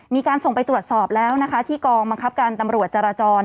มีการส่งไปตรวจสอบแล้วนะคะที่กองบังคับการตำรวจจราจร